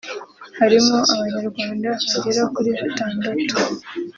harimo Abanyarwanda bagera kuri batandatu